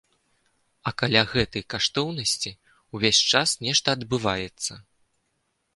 А каля гэтай каштоўнасці ўвесь час нешта адбываецца.